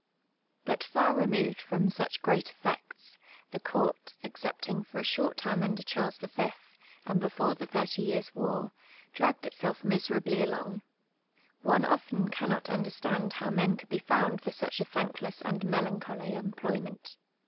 But far removed from such great effects, the court, except ing for a short time under Charles V,, and before the Thirty Years' war, di ajjiied itself miserablv along. One often cannot understand how men coidd be found for such a thankless and melancholy em])loT^'ment.